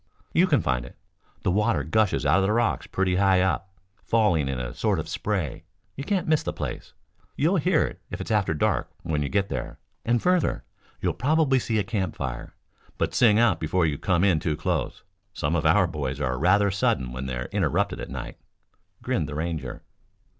"You can find it. The water gushes out of the rocks pretty high up, falling in a sort of spray. You can't miss the place. You'll hear it if it's after dark when you get there." "And, further, you'll probably see a campfire, but sing out before you come in too close. Some of our boys are rather sudden when they're interrupted at night," grinned the Ranger.